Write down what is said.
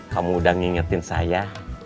kamu udah ngingetin saya